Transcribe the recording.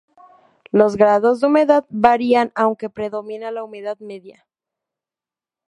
Los grados de humedad varían, aunque predomina la humedad media.